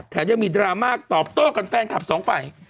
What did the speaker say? แถมยังมีดราม่าตอบโต้กันแฟนคลับสองฝ่าย